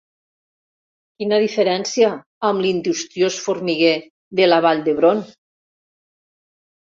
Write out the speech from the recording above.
Quina diferència amb l'industriós formiguer de la Vall d'Hebron!